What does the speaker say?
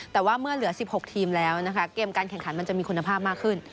แต่ว่าเมื่อเหลือ๑๖ทีมแล้วนะคะเกมการแข่งขันมันจะมีคุณภาพมากขึ้น